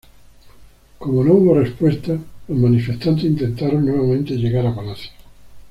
Como no hubo respuesta, los manifestantes intentaron nuevamente llegar a Palacio.